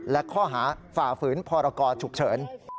และข้อหาฝ่าฝืนพรกรฉุกเฉิน